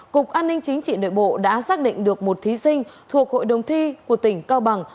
cục an ninh chính trị nội bộ đã xác định được một thí sinh thuộc hội đồng thi của tỉnh cao bằng